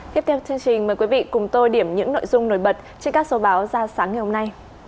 tiếp theo chương trình mời quý vị cùng tôi điểm những nội dung nổi bật trên các số báo ra sáng ngày hôm nay